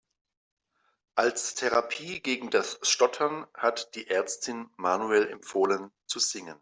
Als Therapie gegen das Stottern hat die Ärztin Manuel empfohlen zu singen.